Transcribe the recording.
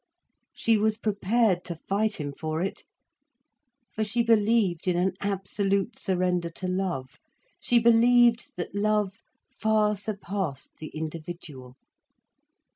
She was prepared to fight him for it. For she believed in an absolute surrender to love. She believed that love far surpassed the individual.